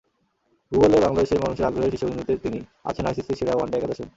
গুগলে বাংলাদেশের মানুষের আগ্রহের শীর্ষবিন্দুতে তিনি, আছেন আইসিসির সেরা ওয়ানডে একাদশেও।